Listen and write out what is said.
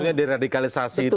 maksudnya diradikalisasi itu